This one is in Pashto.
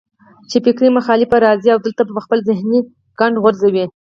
چې فکري مخالف به راځي او دلته به خپل ذهني ګند غورځوي